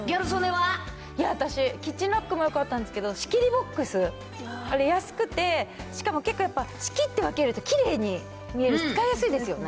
いや、私、キッチンラックもよかったんですけど、仕切りボックス、あれ、安くて、しかも結構やっぱ、仕切って分けるときれいに見えるし、使いやすいですよね。